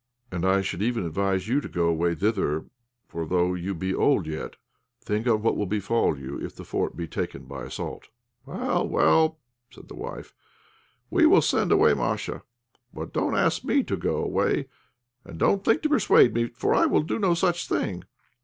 And I should even advise you to go away thither, for though you be old yet think on what will befall you if the fort be taken by assault." "Well! well!" said the wife, "we will send away Masha; but don't ask me to go away, and don't think to persuade me, for I will do no such thing.